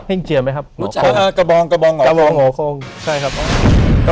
ก็คือเขาไปขโมยมา